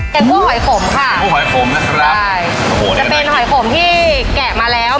แกงคั่วหอยขมค่ะแกงคั่วหอยขมนะครับใช่โอ้โหจะเป็นหอยขมที่แกะมาแล้ว